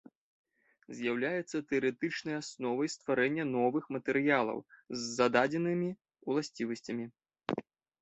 З'яўляецца тэарэтычнай асновай стварэння новых матэрыялаў з зададзенымі ўласцівасцямі.